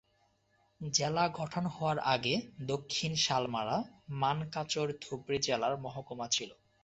জেলা গঠন হওয়ার আগে দক্ষিণ শালমারা-মানকাচর ধুবড়ী জেলার মহকুমা ছিল।